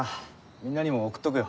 みんなにも送っておくよ。